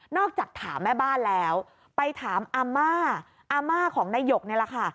จากถามแม่บ้านแล้วไปถามอาม่าอาม่าของนายกนี่แหละค่ะ